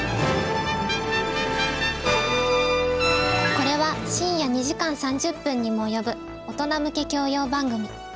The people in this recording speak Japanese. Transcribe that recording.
これは深夜２時間３０分にも及ぶ大人向け教養番組。